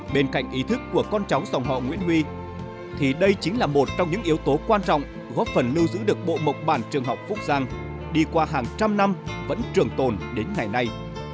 bên cạnh ý thức của con cháu dòng họ nguyễn huy thì đây chính là một trong những yếu tố quan trọng góp phần lưu giữ được bộ mộc bản trường học phúc giang đi qua hàng trăm năm vẫn trường tồn đến ngày nay